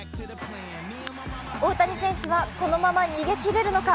大谷選手はこのまま逃げ切れるのか。